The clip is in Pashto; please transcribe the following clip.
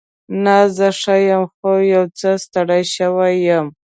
نه، زه ښه یم. خو یو څه ستړې شوې یم.